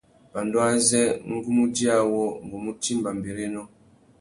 Pandú azê ngu mú djï awô, ngu mú timba mbérénó.